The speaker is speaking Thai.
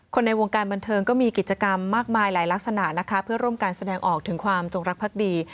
ในวงการบันเทิงก็มีกิจกรรมมากมายหลายลักษณะนะคะเพื่อร่วมการแสดงออกถึงความจงรักภักดี